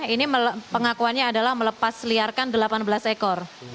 ini pengakuannya adalah melepas liarkan delapan belas ekor